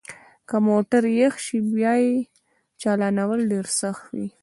که موټر یخ شي بیا یې چالانول ډیر سخت وي